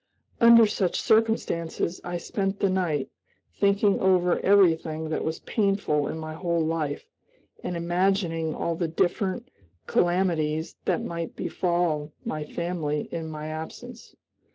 Under such circumstances I spent the night, thinking over everything that was painful in my whole life, and imagining all the different calamities that might befall my family in my absence.